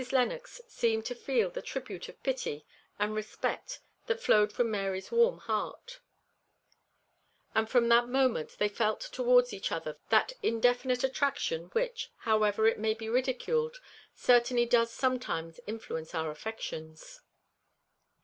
Lennox seemed to feel the tribute of pity and respect that flowed from Mary's warm heart, and from that moment they felt towards each other that indefinite attraction which, however it may be ridiculed, certainly does sometimes influence our affections.